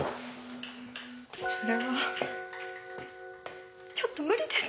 それはちょっと無理です！